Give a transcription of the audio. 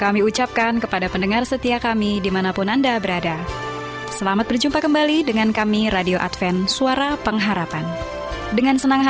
melalui siaran dalam bahasa indonesia